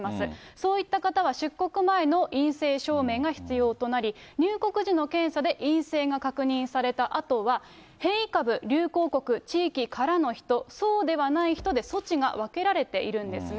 そういった方は、出国前の陰性証明が必要となり、入国時の検査で陰性が確認されたあとは、変異株流行国・地域からの人、そうではない人で措置が分けられているんですね。